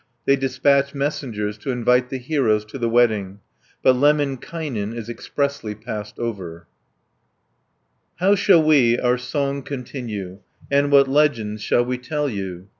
They dispatch messengers to invite the heroes to the wedding, but Lemminkainen is expressly passed over (517 614). How shall we our song continue, And what legends shall we tell you?